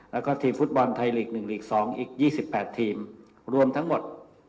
แล้วก็ทีมฟุตบอลไทยลีก๑ลีก๒อีก๒๘ทีมรวมทั้งหมด